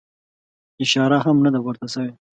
اشاره هم نه ده ورته سوې.